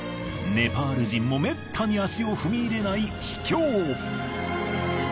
ネパール人もめったに足を踏み入れない秘境。